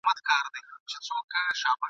چي ناڅاپه د شاهین د منګول ښکار سو ..